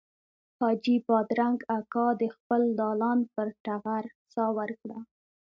حاجي بادرنګ اکا د خپل دالان پر ټغر ساه ورکړه.